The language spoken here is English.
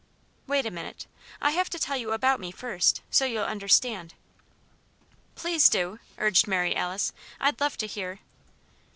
"Wait a minute! I have to tell you about me, first so you'll understand." "Please do!" urged Mary Alice. "I'd love to hear."